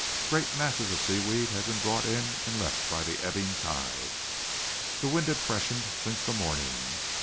Great masses of seaweed had been brought in and left by the ebbing tide. The wind had freshened since the morning.